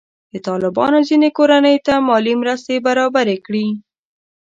طالبانو ځینې کورنۍ ته مالي مرستې برابرې کړي.